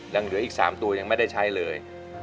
ยังเหลืออีก๓ตัวยังไม่ได้ใช้เลย